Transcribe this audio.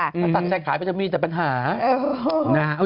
ตัดใจขายไปจะมีแต่ปัญหา